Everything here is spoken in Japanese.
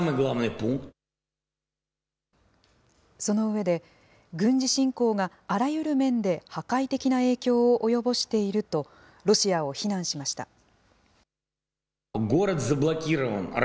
その上で、軍事侵攻があらゆる面で破壊的な影響を及ぼしていると、ロシアを非難しました。